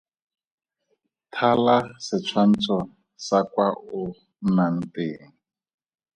Thala setshwantsho sa kwa o nnang teng.